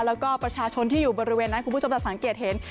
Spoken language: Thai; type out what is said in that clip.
แล้วก็ประชาชนที่อยู่บริเวณนั้นคุณผู้ชมจะสังเกตเห็น